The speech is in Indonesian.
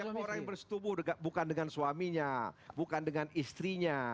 jadi orang yang bersetubuh bukan dengan suaminya bukan dengan istrinya